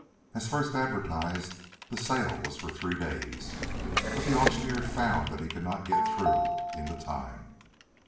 As first advertised the sale was for three days, but the auctioneer found that he could not get through in the time.